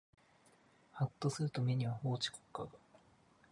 はっとすると目には法治国家が